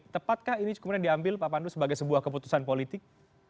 tepatkah ini kemudian diambil pak pandu sebagai sebuah keputusan politik